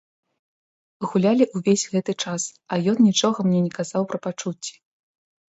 Гулялі ўвесь гэты час, а ён нічога мне не казаў пра пачуцці.